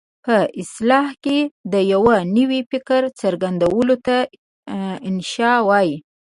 په اصطلاح کې د یوه نوي فکر څرګندولو ته انشأ وايي.